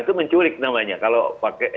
itu menculik namanya kalau pakai